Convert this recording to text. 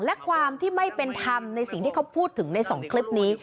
และความที่ไม่เป็นธรรมในสิ่งที่เขาพูดถึงในสองคลิปนี้